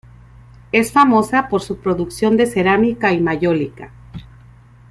Es famosa por su producción de cerámica y mayólica.